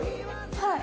はい。